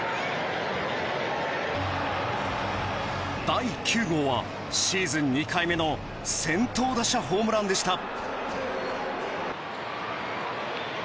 第９号はシーズン２回目の先頭打者ホームランでした。